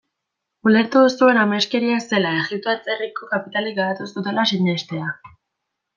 Ulertu zuen ameskeria zela Egipto atzerriko kapitalek garatuko zutela sinestea.